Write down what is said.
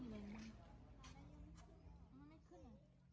สวัสดีครับ